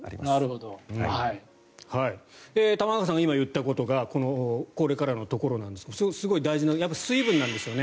玉川さんが今言ったことがこれからのところすごく大事なのは水分なんですよね。